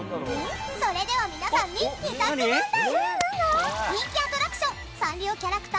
それでは皆さんに２択問題！